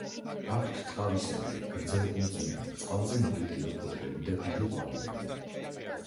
აქვთ ტყავისებრი, გრძელყუნწიანი, წყალზე მოტივტივე ფოთლები და დიდი ყვავილები.